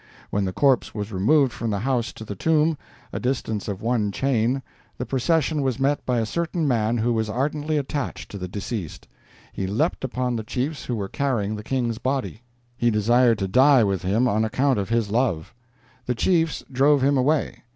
When the corpse was removed from the house to the tomb, a distance of one chain, the procession was met by a certain man who was ardently attached to the deceased. He leaped upon the chiefs who were carrying the King's body; he desired to die with him on account of his love. The chiefs drove him away.